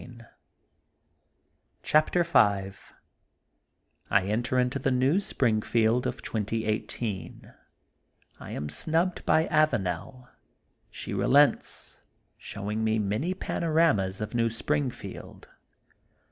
•^ CHAPTER V I ENTER INTO THE NEW SPRINdFIELD OF 20ia I Al£ SNUBBED BY AVANEL, SHE RELENTS, SHOWING ME MANY PANORAMAS OF NEW SPRINGFIELD.